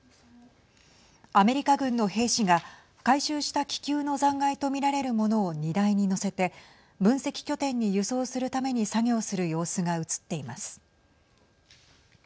アメリカ軍の兵士が回収した気球の残骸と見られるものを荷台に乗せて分析拠点に輸送するために作業する様子が映っています。